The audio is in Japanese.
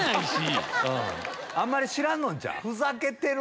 あんまり知らんのんちゃう？